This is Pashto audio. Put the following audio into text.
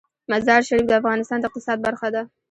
مزارشریف د افغانستان د اقتصاد برخه ده.